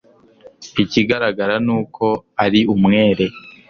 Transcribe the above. Ikigaragara ni uko ari umwere